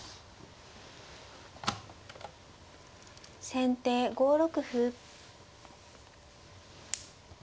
先手５六歩。